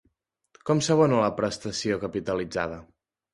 Com s'abona la prestació capitalitzada?